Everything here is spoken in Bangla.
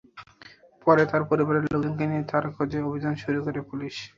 পরে তাঁর পরিবারের লোকজনকে নিয়ে তাঁর খোঁজে অভিযান শুরু করে পুলিশ।